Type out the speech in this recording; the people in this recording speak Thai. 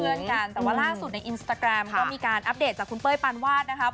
เพื่อนกันแต่ว่าร่าสุดในค่ะมีการอัปเดตจากคุณเป้อปานวาดนะคะ